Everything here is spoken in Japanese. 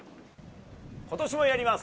今年もやります！